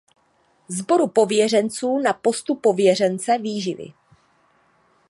Sboru pověřenců na postu pověřence výživy.